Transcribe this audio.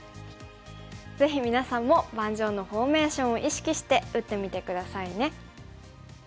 ぜひみなさんも盤上のフォーメーションを意識して打ってみて下さいね。